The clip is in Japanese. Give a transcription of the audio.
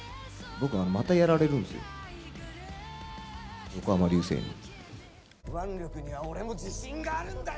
僕、またやられるんですよ。